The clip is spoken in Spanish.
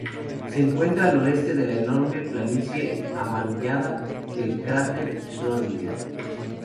Se encuentra al noroeste de la enorme planicie amurallada del cráter Schrödinger.